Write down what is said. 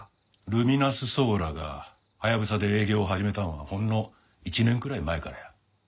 ルミナスソーラーがハヤブサで営業を始めたんはほんの１年くらい前からや。